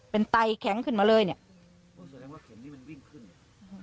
เป็นไตแข็งขึ้นมาเลยเนี้ยสักแรกว่าเข็มนี่มันวิ่งขึ้นเนี้ย